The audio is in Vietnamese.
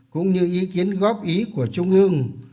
cũng như ý kiến góp ý của trung ương